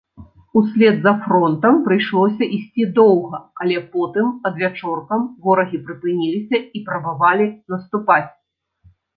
Услед за фронтам прыйшлося ісці доўга, але потым адвячоркам ворагі прыпыніліся і прабавалі наступаць.